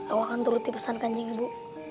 aku akan turut dipesankan ibu